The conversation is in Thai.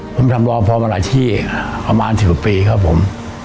ผมทำรอพอมาหลายที่ประมาณ๑๐ปีครับผม